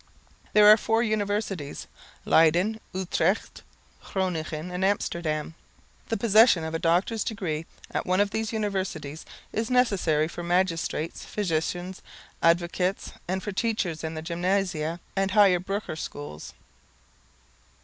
There are four universities, Leyden, Utrecht, Groningen and Amsterdam. The possession of a doctor's degree at one of these universities is necessary for magistrates, physicians, advocates, and for teachers in the gymnasia and higher burgher schools.